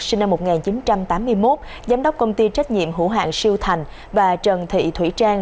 sinh năm một nghìn chín trăm tám mươi một giám đốc công ty trách nhiệm hữu hạng siêu thành và trần thị thủy trang